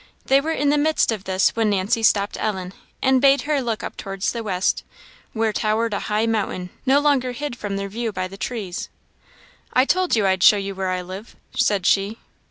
They were in the midst of this when Nancy stopped Ellen, and bade her look up towards the west, where towered a high mountain, no longer hid from their view by the trees. "I told you I'd show you where I live," said she.